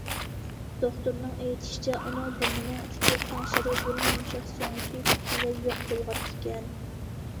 دوختۇرنىڭ ئېيتىشىچە، ئۇنىڭ بۇرنىنىڭ ئۇچى، قاڭشىرى بۇرۇن يۇمشاق سۆڭىكى پۈتۈنلەي يوق بولغان ئىكەن.